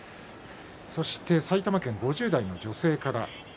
埼玉県５０代の女性から。